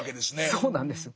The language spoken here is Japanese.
そうなんですよ。